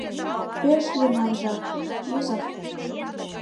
Пеш йӧнан жап... йӱза.